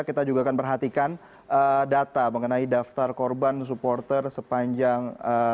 kita juga akan perhatikan data mengenai daftar korban supporter sepanjang dua ribu tujuh belas